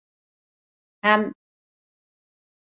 Hem…